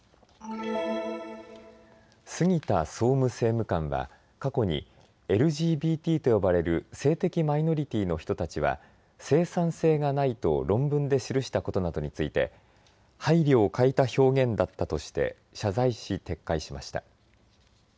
杉田総務政務官は過去にＬＧＢＴと呼ばれる性的マイノリティーの人たちは生産性がないと論文で記したことなどについて配慮を欠いた表現だったとして謝罪し撤回しました。